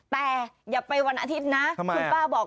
แต่อย่าไปวันอาทิตย์นะ